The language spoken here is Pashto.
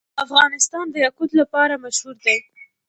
افغانستان د یاقوت لپاره مشهور دی.